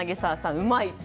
うまいと。